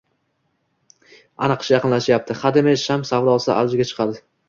Ana qish yaqinlashyapti, hademay sham savdosi avjiga chiqadi